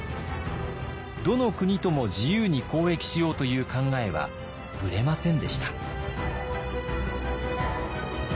どの国とも自由に交易しようという考えはブレませんでした。